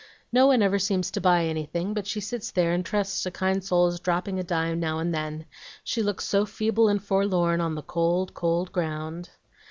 No one ever seems to buy anything, but she sits there and trusts to kind souls dropping a dime now and then; she looks so feeble and forlorn, 'on the cold, cold ground.'